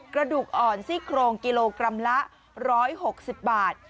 กระดูกอ่อนซี่โครงกิโลกรัมละ๑๖๐บาท